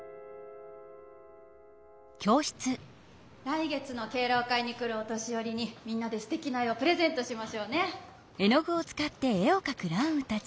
来月の敬老会に来るお年よりにみんなですてきな絵をプレゼントしましょうね。